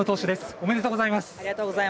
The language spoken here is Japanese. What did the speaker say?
ありがとうございます。